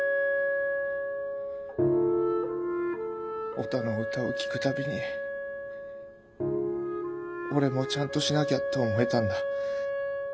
オタの歌を聴く度に俺もちゃんとしなきゃって思えたんだ。